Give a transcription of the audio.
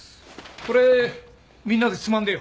これみんなでつまんでよ。